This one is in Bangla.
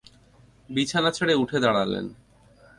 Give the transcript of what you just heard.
বিছানা ছেড়ে উঠে দাঁড়ালেন।